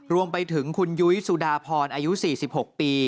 รวมไปถึงคุณยุ้ยสุดาพรอายุ๔๖ปี